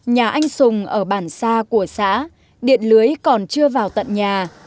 nhà anh sùng ở bản xa của xã điện lưới còn chưa vào tận nhà